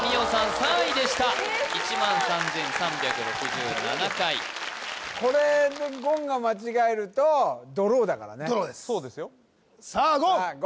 ３位でした１万３３６７回これで言が間違えるとドローだからねドローですさあ言さあ言